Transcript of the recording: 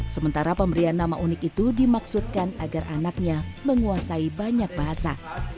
sementara pemberian nama unik itu dimaksudkan agar anaknya menguasai banyak bahasa